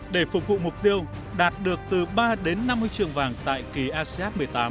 để phục vụ mục tiêu đạt được từ ba đến năm huy chương vàng tại kỳ asean một mươi tám